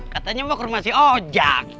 katanya mau ke rumah si oja